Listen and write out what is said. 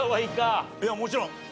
いやもちろん。